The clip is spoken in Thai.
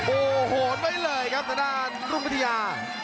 โอโหนไว้เลยครับสดานลูกภูยา